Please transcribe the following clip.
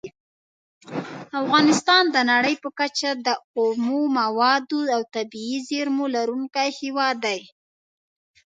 افغانستان د نړۍ په کچه د اومو موادو او طبیعي زېرمو لرونکی هیواد دی.